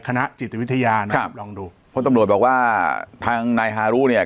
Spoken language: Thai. คณะจิตวิทยานะครับลองดูเพราะตำรวจบอกว่าทางนายฮารุเนี่ย